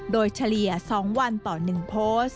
โดยเฉลี่ยสองวันต่อหนึ่งโพสต์